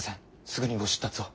すぐにご出立を。